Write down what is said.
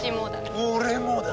俺もだ。